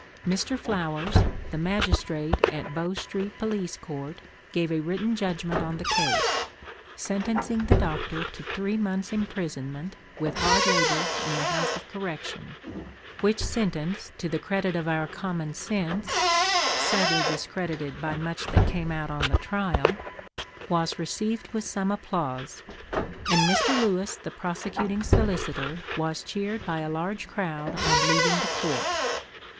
Mr. Flowers, the magistrate at Bow Street Police Court gave a written judgment on the case, sentencing the "Doctor" to three months' imprisonment with hard labor in the House of Correction; which sentence to the credit of our common sense, sadly discredited by much that came out on the trial, was received with some applause, and Mr. Lewis the prosecuting solicitor was cheered by a large crowd on leaving the court.